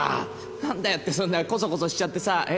「なんだよってそんなコソコソしちゃってさ。え？